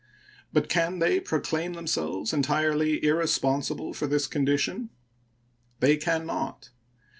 But can they proclaim themselves entirely irresponsible for this condition? They can not.